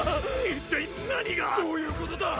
一体何がどういうことだ！？